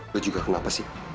lo juga kenapa sih